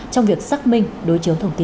trong việc xác minh đối chiếu thông tin